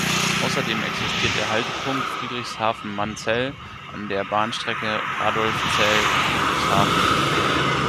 Außerdem existiert der Haltepunkt "Friedrichshafen-Manzell" an der Bahnstrecke Radolfzell–Friedrichshafen.